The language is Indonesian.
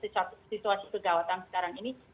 situasi kegawatkan sekarang ini